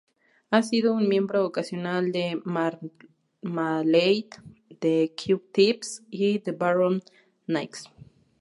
Ha sido un miembro ocasional de Marmalade, The Q-Tips y The Barron Knights.